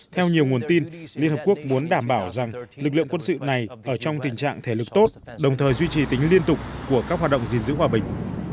theo nhiều nguồn tin liên hợp quốc muốn đảm bảo rằng lực lượng quân sự này ở trong tình trạng thể lực tốt đồng thời duy trì tính liên tục của các hoạt động gìn giữ hòa bình